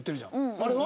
あれは？